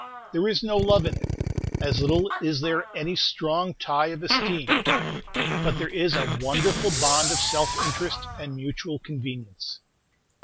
There is no love in it; as little is there any strong tie of esteem: but there is a wonderful bond of self interest and mutual convenience.